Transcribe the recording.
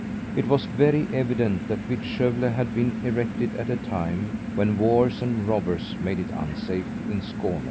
It was very evident that Vittskövle had been erected at a time when wars and robbers made it unsafe in Skåne.